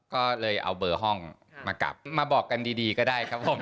ก็เลยเอาเบอร์ห้องมากลับมาบอกกันดีก็ได้ครับผม